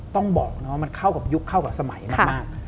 ต้องบอกนะว่ามันเข้ากับยุคเข้ากับสมัยมาก